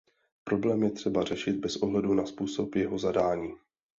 Problém je třeba řešit bez ohledu na způsob jeho zadání.